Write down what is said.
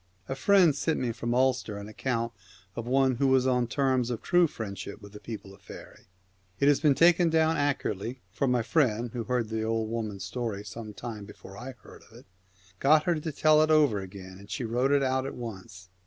A friend has sent me from Ulster an account of one who was on terms of true friendship with the people of faery. It has been taken down accurately, for my friend, who had heard the old woman's story some time before I heard of it, got her to tell it over again, and wrote it out at once.